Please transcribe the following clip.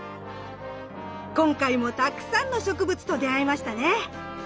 今日もたくさんの植物と出会えましたね。